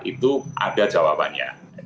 itu ada jawabannya